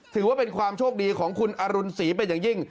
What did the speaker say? ถือว่าเป็นความโชคดีของคุณอรุณศรีเป็นอย่างยิ่ง